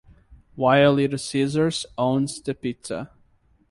While Little Caesars owns the Pizza!